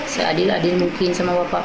seadil adil mungkin sama bapak